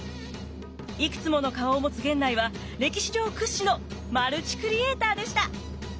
いくつもの顔を持つ源内は歴史上屈指のマルチクリエーターでした。